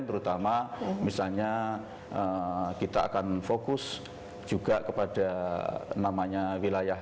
terutama misalnya kita akan fokus juga kepada namanya wilayah